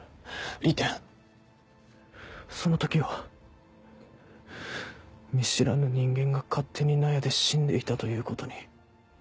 里典その時は見知らぬ人間が勝手に納屋で死んでいたということに。